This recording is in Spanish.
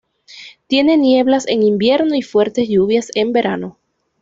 Tiene nieblas en invierno y fuertes lluvias en verano.